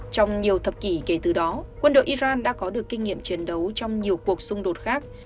trong nhiều thập kỷ kể từ đó quân đội iran đã có được kinh nghiệm chiến đấu trong nhiều cuộc xung đột khác